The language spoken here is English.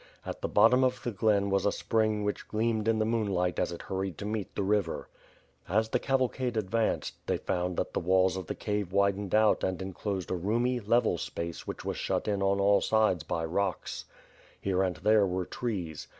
At the bottom of the glen was a spring, which gleamed in the moonlight as it hurried to meet the river. As the caval cade advanced, they found that the walls of the cave widened out and enclosed a roomy, level space which was shut in on all sides by rocks. Here and there were trees.